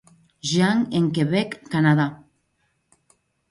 Jean en Quebec Canadá.